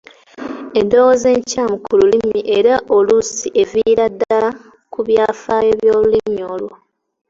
Endowooza enkyamu ku lulimi era oluusi eviira ddala ku byafaayo by'olulimi olwo.